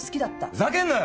ふざけんなよ！